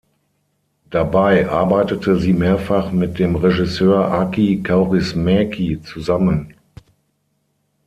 Dabei arbeitete sie mehrfach mit dem Regisseur Aki Kaurismäki zusammen.